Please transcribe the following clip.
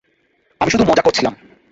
আমি শুধু মজা করছিলাম।